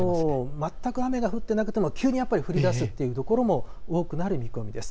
全く雨が降っていなくても急に降りだす所も多くなる見込みです。